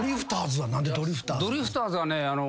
ドリフターズはねあの。